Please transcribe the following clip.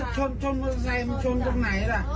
ชนชนมอเตอร์ไซค์มันชนตรงไหนล่ะ